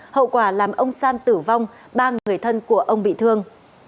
hậu quả làm ông san tử vong ba người thân của ông bị thương